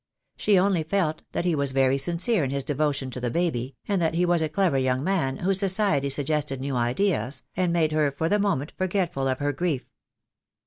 She only felt that he was very sincere in his devotion to the baby, and that he was a clever young man whose society suggested new ideas, and made her for the moment forgetful of her grief.